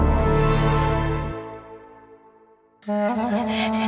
benarkah yunda tidak membenciku